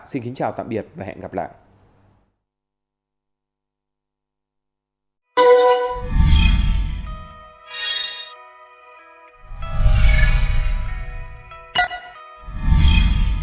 xin kính chào tạm biệt và hẹn gặp lại